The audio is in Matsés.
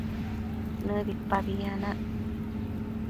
nëbipabi yanac